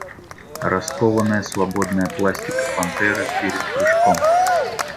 Раскованная свободная пластика пантеры перед прыжком.